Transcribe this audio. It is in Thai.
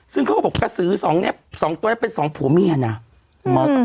ซึ่งเขาก็บอกกระสือสองเนี้ยสองตัวนี้เป็นสองผัวเมียนะ